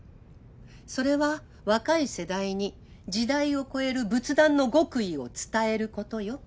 それは若い世代に時代を超える仏壇の極意を伝えることよ。